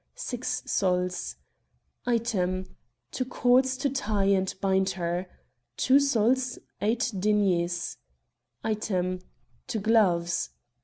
6 sols Item, To cords to tie and bind her . 2 sols 8 deniers Item. To gloves ......